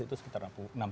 itu sekitar enam puluh lima